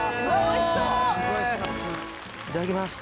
いただきます。